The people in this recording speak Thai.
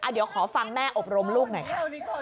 เดี๋ยวขอฟังแม่อบรมลูกหน่อยค่ะ